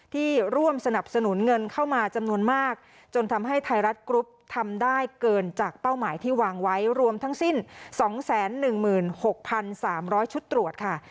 ที่ร่วมสนับสนุนเงินเข้ามาจำนวนมากจนทำให้ไทยรัฐกรุ๊ปทำได้เกินจากเป้าหมายที่วางไว้รวมทั้งสิ้น๒๑๖๓๐๐ชุดตรวจค่ะ